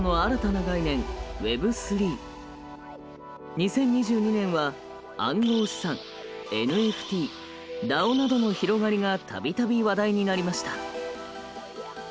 ２０２２年は暗号資産ＮＦＴＤＡＯなどの広がりが度々話題になりました。